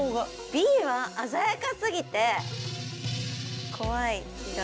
Ｂは鮮やかすぎて怖い気が。